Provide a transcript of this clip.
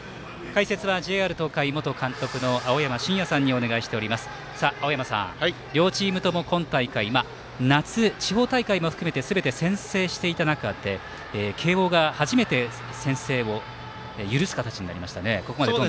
解説はＪＲ東海元監督の青山さん、両チームとも今大会夏地方大会も含めてすべて先制していた中で慶応が初めて先制を許す形になりましたね。